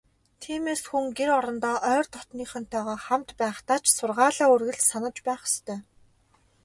Тиймээс, хүн гэр орондоо ойр дотнынхонтойгоо хамт байхдаа ч сургаалаа үргэлж санаж байх ёстой.